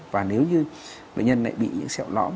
và nếu như bệnh nhân lại bị những sẹo lõm